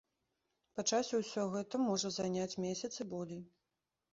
Па часе ўсё гэта можа заняць месяц і болей.